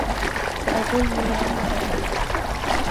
سأقوم بمرافقتك.